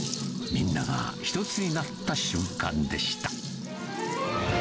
みんなが一つになった瞬間でした。